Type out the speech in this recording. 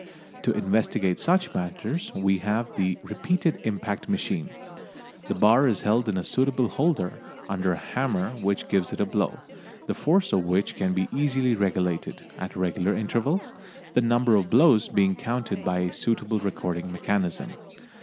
To investigate such matters we have the "repeated impact" machine. The bar is held in a suitable holder, under a hammer which gives it a blow, the force of which can be easily regulated, at regular intervals, the number of blows being counted by a suitable recording mechanism.